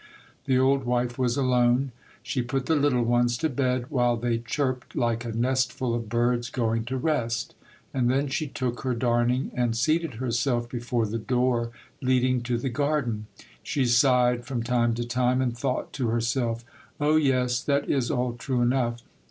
The old wife was alone. She put the little ones to bed, while they chirped like a nestful of birds going to rest, and then she took her darning, and seated herself before the door leading to the gar den. She sighed from time to time, and thought to herself, —" Oh, yes ; that is all true enough.